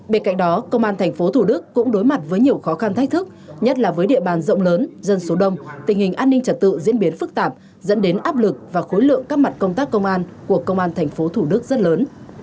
bên cạnh đó công an thành phố thủ đức cũng đối mặt với nhiều khó khăn thách thức nhất là với địa bàn rộng lớn dân số đông tình hình an ninh trật tự diễn biến phức tạp dẫn đến áp lực và khối lượng các mặt công tác công an của công an tp thủ đức rất lớn